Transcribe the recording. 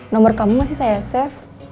nomor kamu masih saya safe